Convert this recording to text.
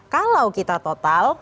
kalau kita total